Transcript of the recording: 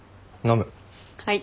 はい。